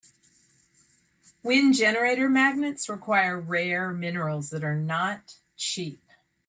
Wind generator magnets require rare minerals that are not cheap.